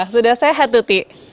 sudah sehat tutik